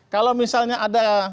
kalau misalnya ada